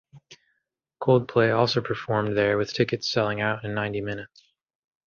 Coldplay also performed there with tickets selling out in ninety minutes.